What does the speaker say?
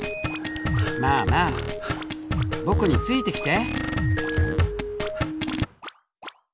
まあまあ僕についてきて。